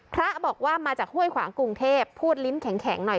พระบอกว่ามาจากห้วยขวางกรุงเทพพูดลิ้นแข็งหน่อย